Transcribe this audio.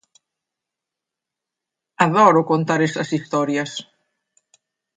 Adoro contar esas historias.